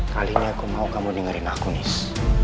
kalinya aku mau kamu dengerin aku nis